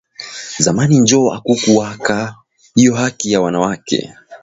Zamani njo akukuwaka iyo haki ya wanawake